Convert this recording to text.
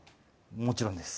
もちろんです！